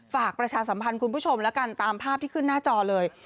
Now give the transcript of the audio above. ประชาสัมพันธ์คุณผู้ชมแล้วกันตามภาพที่ขึ้นหน้าจอเลย